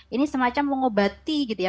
ini semacam mengobati gitu ya